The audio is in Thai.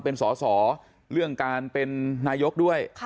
เป็นสอสอเรื่องการเป็นนายกด้วย